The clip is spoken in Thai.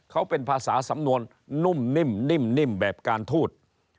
เขาเป็นภาษาสำนวนนุ่มนิ่มแบบการทูต